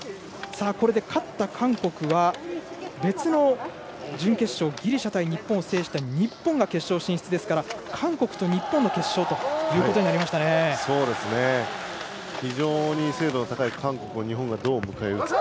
これで勝った韓国は別の準決勝ギリシャ対日本を制した日本が決勝進出ですから非常に精度の高い韓国を日本がどう迎え撃つか。